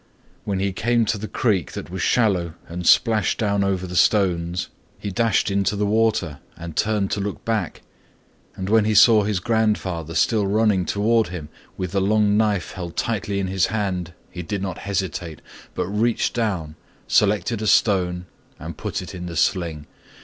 When he came to the creek that was shallow and splashed down over the stones, he dashed into the water and turned to look back, and when he saw his grandfather still running toward him with the long knife held tightly in his hand he did not hesitate, but reaching down, selected a stone and put it in the sling.